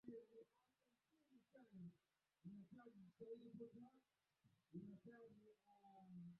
inajulikana kama marmoset ya dhahabu simba la dhahabu